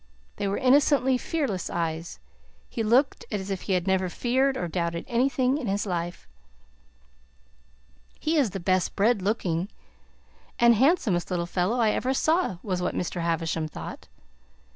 They were innocently fearless eyes; he looked as if he had never feared or doubted anything in his life. "He is the best bred looking and handsomest little fellow I ever saw," was what Mr. Havisham thought.